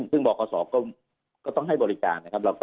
ซึ่งบคศก็ต้องให้บริการนะครับ